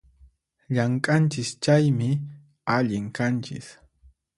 Llamk'anchis chaymi, allin kanchis